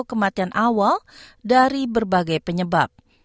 kematian awal dari berbagai penyebab